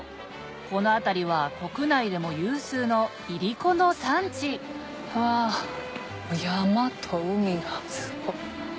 この辺りは国内でも有数のいりこの産地わ山と海がすごい。